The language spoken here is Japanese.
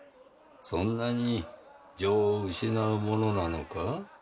そんなに情を失うものなのか？